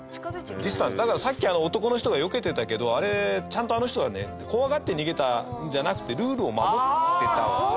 だからさっき、男の人がよけてたけどあれ、ちゃんと、あの人がね怖がって逃げたんじゃなくてルールを守ってたわけ。